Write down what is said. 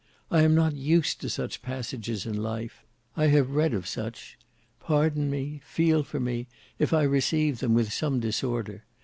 I am not used to such passages in life; I have read of such. Pardon me, feel for me, if I receive them with some disorder.